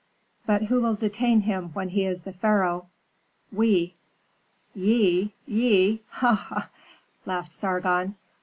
"But who will detain him when he is the pharaoh?" "We." "Ye? ye? Ha! ha! ha!" laughed Sargon.